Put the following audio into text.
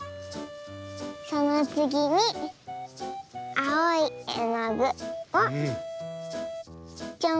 そのつぎにあおいえのぐをちょん。